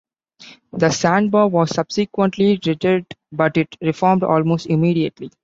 The sandbar was subsequently dredged, but it reformed almost immediately.